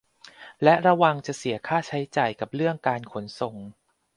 และระวังจะเสียค่าใช้จ่ายกับเรื่องการขนส่ง